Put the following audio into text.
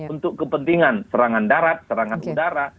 untuk kepentingan serangan darat serangan udara